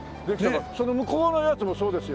その向こうのやつもそうですよ。